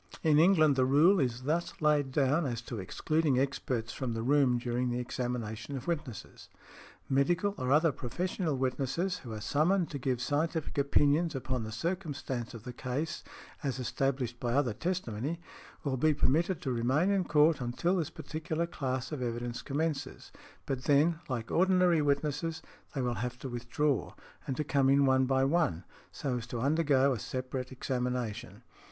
In England the rule is thus laid down as to excluding experts from the room during the examination of witnesses; "medical or other professional witnesses, who are summoned to give scientific opinions upon the circumstances of the case as established by other testimony, will be permitted to remain in court until this particular class of evidence commences, but then, like ordinary witnesses, they will have to withdraw, and to come in one by one, so as to undergo a separate examination."